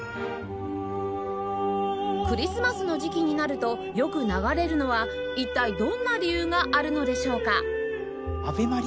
クリスマスの時期になるとよく流れるのは一体どんな理由があるのでしょうか？